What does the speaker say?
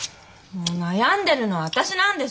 悩んでるのは私なんですよ！